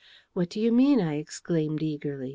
"What do you mean?" I exclaimed eagerly.